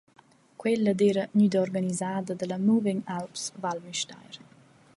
Quella d’eira gnüda organisada da la MovingAlps Val Müstair.